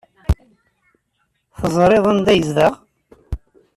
Teẓriḍ anda yezdeɣ?